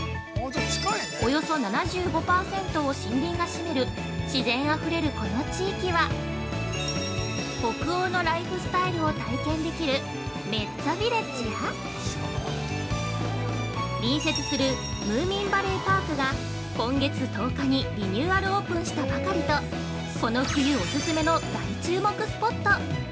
およそ７５％を森林が占める自然あふれるこの地域は北欧のライフスタイルを体験できる、メッツァビレッジや隣接するムーミンバレーパークが今月１０日にリニューアルオープンしたばかりとこの冬オススメの大注目スポット！